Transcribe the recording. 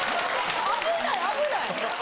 危ない危ない。